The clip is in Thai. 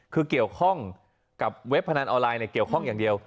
คือเกี่ยวข้องกับเว็บพนันออนไลน์เกี่ยวข้องอย่างเดียว